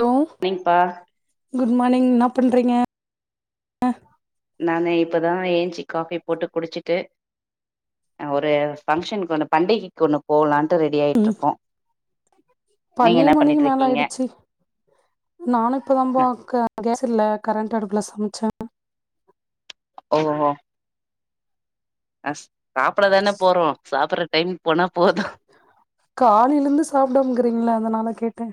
hello நீங்கப்பா good morning என்னா பண்றீங்க நானு இப்பதா ஏஞ்ச்சி காபி போட்டு குடிச்சிட்டு ஒரு ஃபங்க்ஷனுக்கு ஒன்னு பண்டிகைக்கு ஒன்னு போகலான்ட்டு ரெடி ம் ஆயிட்ருக்கோ நீங்க என்ன பன்னெண்டு மணிக்கு மேல பண்ணிட்டுருக்கீங்க ஆயிடுச்சு நானு இப்பதா பா க கேஸ் இல்ல கரண்ட் அடுப்புல சமச்சே ஓஹோ அஸ் சாப்ட தான போறோ சாப்புற டைமுக்கு போனா போது காலையில இருந்து சாப்டாமகிறிங்களா அதனால கேட்ட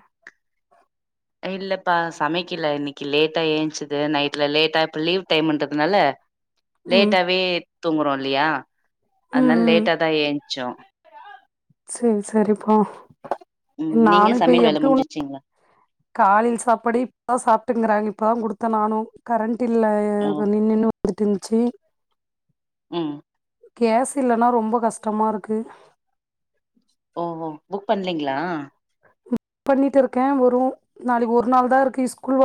இல்லப்பா சமைக்கல இன்னைக்கி லேட்டா ஏந்திச்சுது நைட்ல லேட்டா இப்ப லீவ் டைம்ன்றதுனால ம் லேட்டாவே தூங்குறோ இல்லையா அதனால லேட்ட தா ஏஞ்ச்சோ செரி செரிப்ரோ உம் நீங்க சமையல் வேல முடிஞ்சுச்சீங்ளா காலில சாப்பாடே இப்பதா சாப்டுன்கிறாங்க இப்பதா கேடுத்தே நானு கரண்ட் இல்ல ஓ நின்னு நின்னு வந்துட்ருஞ்ச்சி ம் கேஸ் இல்லன்னா ரொம்ப கஷ்டமாருக்கு ஓஹோ புக் பண்ணலிங்ளா புக் பண்ணிட்டு இருக்கே வரு நாளைக்கு ஒரு நாள் தா இருக்கு ஸ்கூல்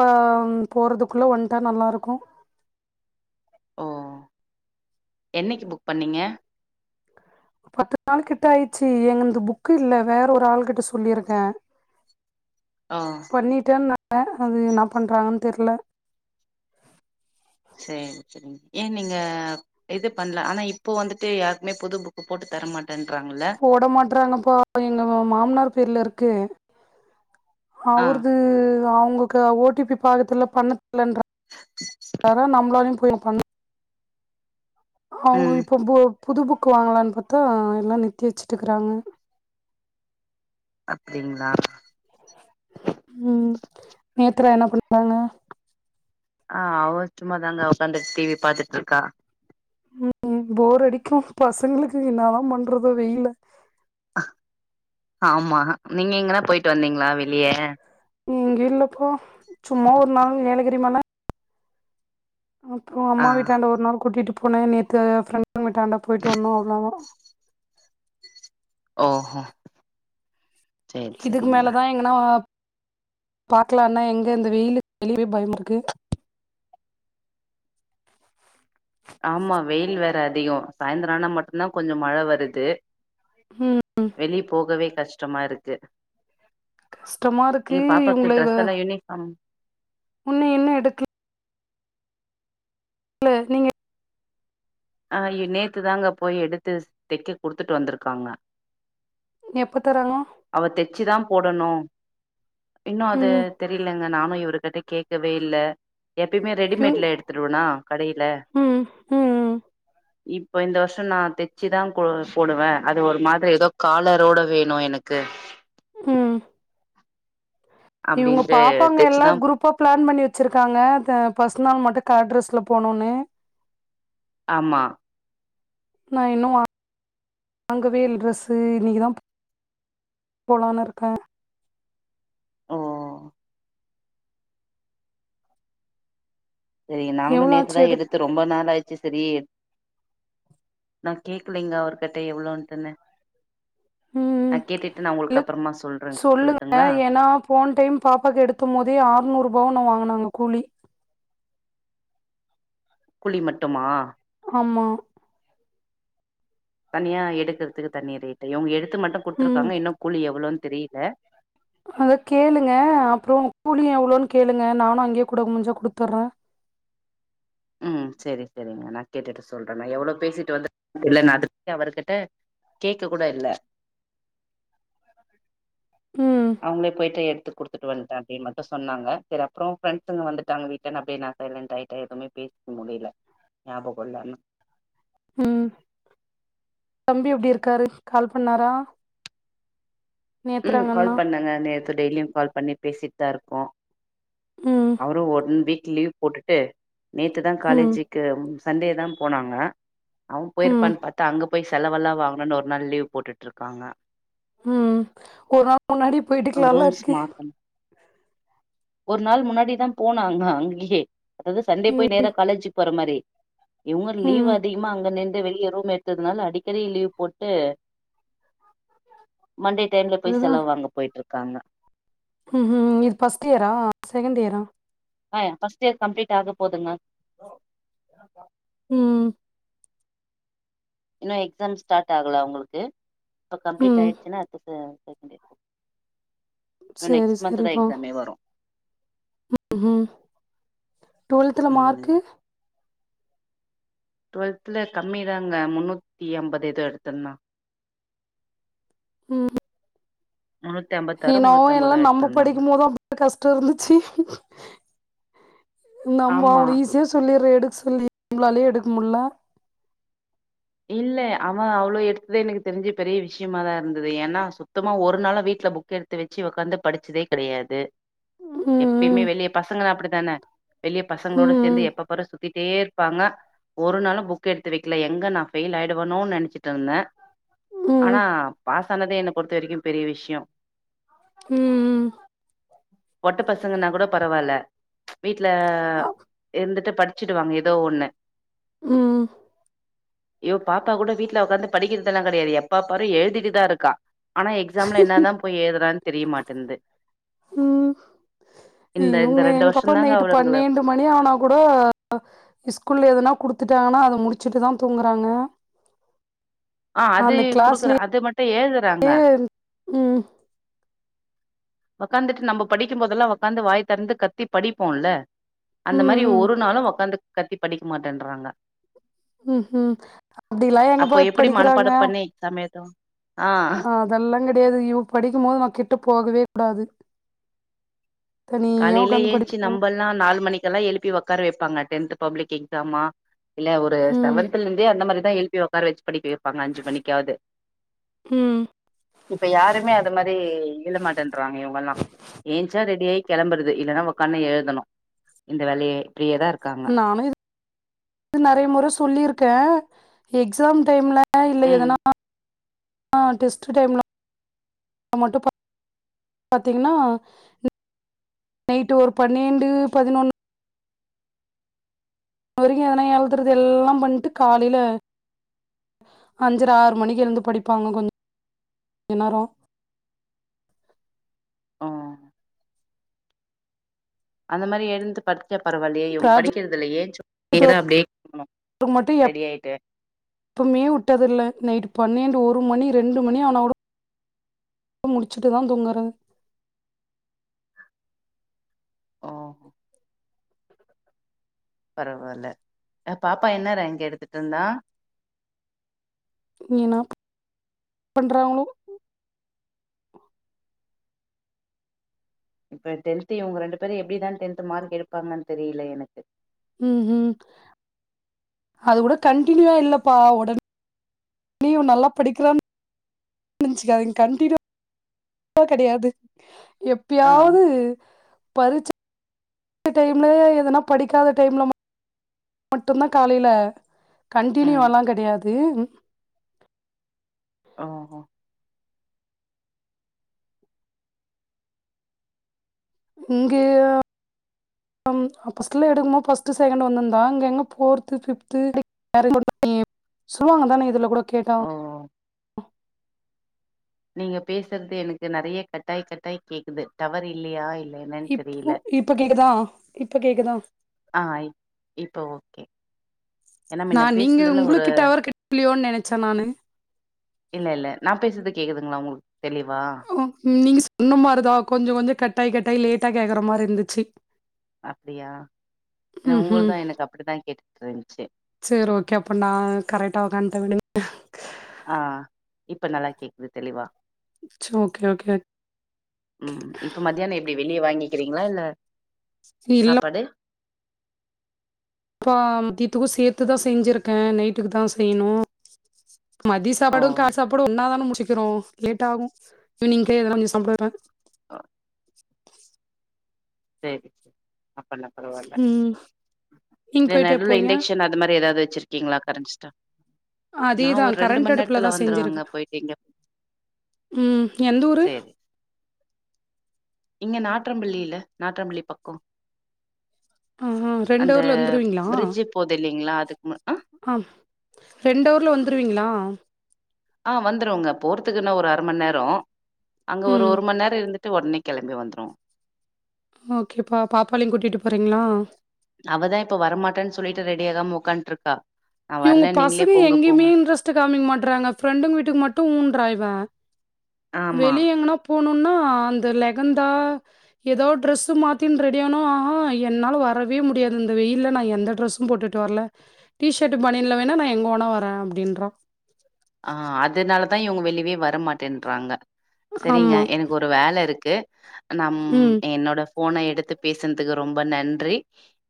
போறதுக்குள்ள வந்துட்டா நல்லா இருக்கு ஓ என்னைக்கு புக் பண்ணிங்க பத்து நாள் கிட்ட ஆயிச்சி எங்குந்து புக்கு இல்ல வேறு ஒரு ஆள் கிட்ட சொல்லியிருக்கே ஆஹ் பண்ணிட்டேன்னாங்க அது ன்னா பண்ணுறாங்கன்னு தெர்ல சேரி சேரிங்க ஏன் நீங்க இது பண்ல ஆனா இப்போ வந்துட்டு யாருக்குமே புது புக்கு போட்டு தரமாட் போட மாட்டறாங்கப்பா எங்க மாமனார் பேர்ல இருக்கு ஆ அவுருது அவுங்ககு ஓ டி பி பாக்கதுல்ல பண்ணத் ஷ்லன்ற நம்மளாலு போய் பண்ண அவுங்க ம் இப்ப பு புது புக்கு வாங்கலான்னு பார்த்தா யெல்லா நிருத்தி வெச்சுட்டுகிறாங்க அப்டிங்களா உம் நேத்ரா என்ன பண்றாங்க ஆஹ் அவ சும்மாதாங்க உக்காந்துட்டு டிவி பாத்துட்டு இருக்கா உம் போர் அடிக்கு பசங்களுக்கு என்னாதா பண்றதோ வெயில ஆமா நீங்க எங்கன்னா போயிட்டு வந்தீங்களா வெளிய ம் இல்லப்ப சும்மா ஒரு நாள் ஏலகிரிமல அப்புறோ ஆ அம்மா வீட்டாண்ட ஒரு நாள் கூட்டிட்டு போனே நேத்து ஃப்ரெண்டாங் வீட்டாண்ட போய்டு வந்தோ அவ்ளோதா ஓஹோ சேரி இதுக்கு சேரிங்க மேலதா எங்கனா பாக்கலான்னா எங்க இந்த வெயிலு வெளியவே பயமாருக்கு ஆமா வெயில் வேற அதிக சாய்ந்தரோ ஆனா மட்டும்தா கொஞ்ச மழ வருது ம் வெளி போகவே கஷ்டமா இருக்கு கஷ்டமா நீ இருக்கு பாப்பாக்கு இவங்கள ட்ரெஸ் எல்லா யூனிஃபார்ம் உன்னு இன்னு எடுக் ல நீங்க அஹ் யோ நேத்து தாங்க போய் எடுத்து தெக்க குடுத்துட்டு வந்திருக்காங்க எப்ப தராங்ளா அவ தெச்சுதா போடணு இன்னு அது ம் தெரியலங் அதா நானு இவர்கிட்ட கேக்கவே இல்ல எப்பயுமே இவங் ரெடிமேட்ல எடுத்துருவேனா கடைல ம் ம் இப்ப இந்த வருஷோ நா தச்சிதா போ போடுவே அது ஒரு மாதிரி ஏதோ காலரோட வேணு எனக்கு ம் இவங்க அப்டின்ட்டு பாப்பாங்க எல்லா தெச்சுதா குரூப்பா பிளான் பண்ணி வச்சுருக்காங்க ஃபர்ஸ்ட் நாள் மட்டு கலர் டிரஸ்ல போணுன்னு ஆமா நா இன்னு வாங்கவே இல்ல டிரரெஸு இன்னக்குதா போலான்னு இருக்கே ஓ சரிங்க நாங்களு எவ்ளோ ஆச்சு நேத்துதா எடுக்க எடுத்து ரொம்ப நாள் ஆயிச்சி செரி நா கேக்கலலைங்கா அவர்கிட்ட எவ்வளோன்ட்டுன்னு ம் நா கேட்டுட்டு நா இல்ல உங்களுக்கு அப்பறமா சொல்றே சொல்லுங்க சொல்லட்டுங்களா ஏன்னா போன டைம் பாப்பாக்கு எடுத்தமோதே ஆறுநூறுபாவோ என்னவோ வாங்குனாங்க கூலி கூலி மட்டுமா ஆமா தனியா எடுக்கறதுக்கு தனி ரேட்டு் இவங்க எடுத்து மட்டு ம் குடுத்துருக்காங்க இன்னு கூலி எவ்ளோன்னு தெரியல அங்க கேளுங்க அப்பறோ கூலியு எவ்ளோன்னு கேளுங்க நானு அங்கயே கூட முடிஞ்சா குடுத்துறே ம் சேரி சேரிங்க நா கேட்டுட்டு சொல்றே நா எவ்வளவு பேசிட்டு வந்து இல்லனா அதுக்கு அவர்கிட்ட கேக்க கூட இல்ல ம் அவங்களே போய்ட்டு எடுத்து குடுத் எடுத்துட்டு வன்டே அப்டின்னு மட்டு சொன்னாங்க செரி அப்பறோ ஃப்ரெண்ட்ஸ்ங்க வந்துட்டாங்க வீட்லன்னு அப்டியே நா சைலண்ட் ஆயிட்டே எதுமே பேச முடில ஞாபகோ இல்ல ஆனா ம் தம்பி எப்டி இருக்காரு கால் பண்ணாறா ம் கால் அண்ணா பண்ணாங்க நேத்து டெய்லியு கால் பண்ணி பேசிட்டுதா இருக்கோ ம் அவரு ஒன் வீக் லீவ் போட்டுட்டு நேத்துதா ம் காலேஜி க்கு சண்டே தா போனாங்க அவே ம் போயிருப்பான்னு பார்த்தா அங்க போய் செலவெல்லா வாங்கணுன்னு ஒரு நாள் லீவ் போட்டுட்டு இருக்காங்க ம் ஒரு நாள் முன்னாடி போயிட்டுக்கலால்ல ரூம்ஸ் அதுக்கு மாத்தணு ஒரு நாள் முன்னாடிதா போனாங்க அங்கயே அதாவது சண்டே ம் போய் நேரா காலேஜிக்கு போற மாரி இவுங்க லீவ் ம் அதிகமா அங்க நிண்டு வெளிய ரூம் எடு ததுனால அடிக்கடி லீவ் போட்டு மண்டே டைம்ல போய் அதுதா செலவு வாங்க போயிட்டு இருக்காங்க ம் ம் இது ஃபர்ஸ்ட் இயரா செகண்ட் இயரா ஆ ஃபர்ஸ்ட் இயர் கம்ப்ளீட் ஆக போதுங்க ம் இன்னு எக்ஸாம் ஸ்டார்ட் ஆகல அவங்களுக்கு இப்போ கம்ப்ளீட் ம் ஆயிடுச்சின்னா அடுத்து செகண்ட் இயர் போக சேரி தா சேரிப்பா எக்ஸாமே வரு ம் ம் டுவெல்த்ல மார்க்கு ம் டுவெல்த்ல கம்மிதாங்க முன்னூத்தி ஐம்பது ஏதோ எடுத்துருந்தா ம் முன்னூத் என்னவோ எல்லா நம்ம படிக்கும் போது அப்டி கஷ்டோ இருந்துச்சி நம்ம ஆமா அவ்ளோ ஈஸியா சொல்லிர்றோ எடுக்க சொல்லி நம்மளாலயே எடுக்க முடில இல்ல அவே அவ்ளோ எடுத்ததே எனக்கு தெரிஞ்சு பெரிய விஷயமாதா இருந்தது ஏன்னா சுத்தமா ஒரு நாளு வீட்ல புக் எடுத் து வச்சி ஒக்காந்து படிச்சதே கெடையாது ம் எப்பயுமே வெளிய பசங்கன்னா அப்டிதான வெளிய பசங்களோட சேந்து ம் எப்ப பாரு சுத்திட்டே பாங்க ஒரு நாலு புக் எடுத்து வைக்கல எங்க நா பெயில் ஆயிடுவனோன்னு நெனச்சிட் ட்ருந்தே ம் ஆனா பாஸ் ஆனதே என்ன பொறுத்த வரைக்கும பெரிய விஷ்யோ ம்ம் பெட்ட பசங்கன்னா கூட பரவால்ல ம்ச் வீட்ல இருந்துட்டு படி ச்சிடுவாங்க ஏதோ ஒண்ணு ம்ம் இவ் பாப்பா கூட வீட்டுல உக்காந்து படிக்கிறது எல்லா கெடையாது எப்ப பாரு எழுதிட்டுதா இருக்கா ஆனா எக்ஸாம்ல என்ன தா போயி ஏழுதுறான்னு தெரியமாட்டேன்து ம் இந்த இந்த இவங்க ரெண்டு எங்க பாப்பா வர்ஷோந்தாங்க நைட்டு அவளுங்கள பன்னெண்டு மணி ஆனா கூட [inaudible] ஸ்கூல்ல எதனா குடுத்துட்டாங்கன்னா அத முடிச்சுட்டு தா தூங்குறாங்க ஆ அது அந்த குடுக்குற கிளாஸ்லயே அது மட்டு எழுதுறாங்க ம் உக்காந்துட்டு நம்ப படிக்கும்போதெல்லா உக்காந்து வாய் தெறந்து கத்தி படிப்போல அந்த மாரி ம் ஒரு நாளு ஒக்காந்து கத்தி படிக்க மாட்டேன்றாங்க ம் ம் அப்படிலா எங்க போயி படிக்கிறாங்க சமயதே ஆ ஆ அதெல்லா கிடையாது இவ படிக்கு போது நா கிட்ட போகவே கூடாது தனியா உக்காந்து படிக்கணு எல்லா நாலு மணிக்கு எல்லா எழுப்பி ஒக்கார வைப்பாங்க டென்த் பப்ளிக் எக்ஸாமா இல்ல ஒரு ம் செவன்தல இருந்தே அந்த மாதிரிதா எழுப்பி ஒக்கார வச்சி படிக்க வைப்பாங்க அஞ்சி மணிக்காவது ம் இப்ப யாருமே அது மாரி எழ மாட்டேன்றாங்க இவங்கெல்லா எந்துச்சா ரெடி ஆயி கிளம்புறது இல்லன்னா உக்காந்து எழுதணு இந்த வேலயே இப்டியேதா இருக் நானு இது நெறைய முற சொல்லிருக்கே எக்ஸாம் டைம்ல அ இல்ல ம் எதனா அ டெஸ்ட்டு டைம்ல மட்டு ப பாத்தீங்னா ம் நைட்டு் ஒரு பன்னிரெண்டு பதினொன்னு அது வரைக்கு எதனா எழுதுறது எல்லா பண்ட்டு காலையில அஞ்சர ஆறு மணிக்கு எழுந்து படிப்பாங்க கொஞ்ச நேரோ ஓ அந்த மாரி எழுந்து படிச்சா பரவாயில்லையே இவங்க ப்ராஜெக்ட் படிக்கிறதுதில்ல ஏஞ்சோ நீங்கதா அப்டியே [inaudible] டு மட்டு எப் ரெடி ஆயிட்டு இப்பமே வுட்டது இல்ல நைட் பன்னெண்டு ஒரு மணி ரெண்டு மணி ஆனா கூடோ அ முடிச்சிட்டுதா தூங்கறது ஒ பரவால்ல அ பாப்பா என்ன ரேங்க் எடுத்துட்ருந்தா இனி என்ன பண்றாங்களோ இப்ப டென்த் இவுங்க ரெண்டு பேரு எப்டிதா டென்த் மார்க் எடுப்பாங்கன்னு தெரியல எனக்கு ம் ம் அது கூட கண்டினியூவா இல்லப்பா உடனே நீயு நல்லா படிக்கிறன் நின்ச்சுக்காதீங் கண்டினியூவா அ கெடையாது ஆ ப்பியாவது பரீட்ச டைம்ல ஏதான படிக்காத டைம்ல மட் மட்டு தா காலையிலே ம் கண்டினியூவலா கெடையாது ஓஹோ இங்கேயா அம் அ ஃபர்ஸ்ட்ல எடுக்கு போ ஃபர்ஸ்ட்டு செகண்ட்டு வந்துந்தாங்க எங்க போர்த்து ஃபிப்த்து வேற நீ சொல்லுவாங்க தானே இதுல கூட கேட்டா ஓ நீங்க பேசுறது எனக்கு நெறைய கட்டாய் கட்டாய் கேக்குது டவர் இல்லையா என்னன்னு இப்போ தெரியல இப்ப கேக்குதா இப்ப கேக்குதா ஆ இப் இப்ப ஓகே ஏன்னா நா முன்ன நீங்க பேசுனதுல ஒரு உங்களுக்கு டவர் கெடைக்கலையோன்னு நெனைச்சே நானு இல்ல இல்ல நா பேசது கேக்குதுங்களா உங்களுக்கு தெளிவா ம் நீங்க சொன்ன மாரிதா கொஞ்ச கொஞ்ச கட்டாய் கட்டாயி லேட்டா கேக்குற மாதிரி இருந்துச்சூ அப்படியா ஏன்னா உங்கள்து எனக்கு அப்டித்தா கேட்டுட்டுருந்துச்சி சரி ஓகே அப்போ நான் கரட்டா உக்காண்ட வெளியே உஹ ஆஹ் இப்ப நல்லா கேக்குது தெளிவா சோ ஓகே ஓகே ஓக் ம் இப்ப மதியானோ எப்டி வெளியே வாங்கிக்கிறீங்களா இல்ல இல்லப் சாப்பாடு ப்பா தியதூக்கு சேர்த்து தா செஞ்சிருக்கே நைட்டுக்கு தா செய்யணு மதிய ஓ சாப்பாடு கா சாப்பாடு ஒன்னாதானே முடிச்சுகிறோ லேட்ட ஆகும் ஈவினிங்கே எதனா பர்ணி சாப்டுவே ஆஹ் சேரி செரி ஆ பண்ண பரவால்ல ம் நீங்க ல போயிட்டு எப்போ நடுல வருவீங்க இன்டெக்ஷன் அது மாதிரி ஏதாவது வெச்சிருக் கீங்களா கரண்சிகா அதேதா கரண்ட் அடுப்புலதா செஞ்சிருக்க வந்துருவங்க போயிட்டு இங்க உம் எந்த ஊரு சேரி இங்க நாற்றம்பள்ளில நாற்றம்பள்ளி பக்கோ ஆ ரெண்டு அந்த ஹவர்ல வந்துருவீங்களா பிரிட்ஜு போது இல்லிங்ளா அதுக்கு மு அஹ் ஆ ரெண்டு அவுர்ல வந்துருவீங்களா ஆஹ் வந்துருவங்க போறதுக்குன்னா ஒரு அரை மண் நேரோ அங்க ஒரு ம் ஒரு மண் நேரோ இருந்துட் டு உடனே கெளம்பி வந்துரு ஓகேப்பா பாப்பாளியு கூட்டிட்டு போறீங்களா அவதா இப்ப வரமாட்டன் சொல்லிட்டு ரெடிய ஆகாம உக்கான்ட்டுருக்கா இவுங்க பசங்க எங்கியுமே இன்ட்ரெஸ்ட் காமிக் மாட்டறாங்க ஃப்ரெண்டுங்க வீட்டுக்கு மட்டு ஊன்றாயிவ ஆமா வெளிய எங்கனா போணுன்னா அந்த லெகந்தா ஏதோ டிரரெஸு மாத்தின் ரெடி ஆனும் ஆஹோ என்னால் வரவே முடியாது இந்த வெயில்ல நா எந்த ட்ரெஸ்ஸு போட்டுட்டு வர்ல டீசெட்டு பனியன்ல வேணா நா எங்க வோணா வர அப்டின்றா ஆஹ் அதனாலதா இவுங்க வெளிவே வரமாட்டேன்றாங்க சரிங்க ஆமா எனக்கு ஒரு வேலை இருக்கு நம் ம் என்னோட போன எடுத்து பேசந்துக்கு ரொம்ப நன்றி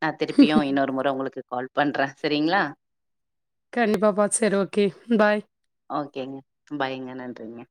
நா திருப்பியு இன்னொரு முறை உங்களுக்கு கால் பண்றே சரிங்ளா கண்டிப்பாக பா செர் ஓகே பாய் ஓகேங்க பாயங்க நன்றிங்க